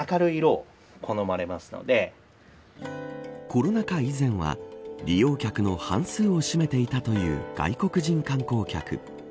コロナ禍以前は利用客の半数を占めていたという外国人観光客。